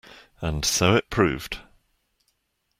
And so it proved.